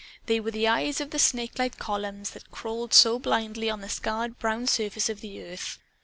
They were the eyes of the snakelike columns that crawled so blindly on the scarred brown surface of the earth.